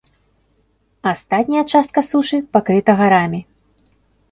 Астатняя частка сушы пакрыта гарамі.